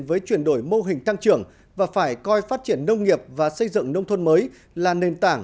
với chuyển đổi mô hình tăng trưởng và phải coi phát triển nông nghiệp và xây dựng nông thôn mới là nền tảng